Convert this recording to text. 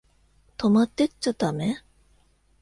泊まってっちゃだめ？